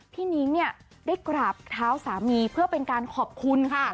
นิ้งเนี่ยได้กราบเท้าสามีเพื่อเป็นการขอบคุณค่ะ